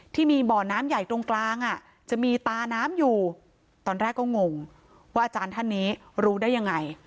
ที่มีบ่อน้ำใหญ่ตรงกลางอ่ะจะมีตาน้ำอยู่ตอนแรกก็งงว่าอาจารย์ท่านนี้รู้ได้ยังไง